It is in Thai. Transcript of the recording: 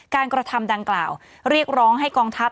กระทำดังกล่าวเรียกร้องให้กองทัพ